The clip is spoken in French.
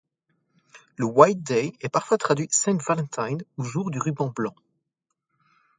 Le White Day est parfois traduit Saint-Valentine ou jour du ruban Blanc.